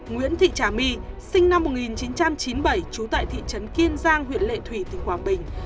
nguyễn thị trà my sinh năm một nghìn chín trăm chín mươi bảy trú tại thị trấn kiên giang huyện lệ thủy tỉnh quảng bình